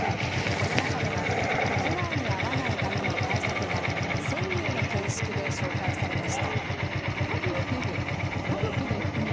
この中では被害に遭わないための対策が川柳の形式で紹介されました。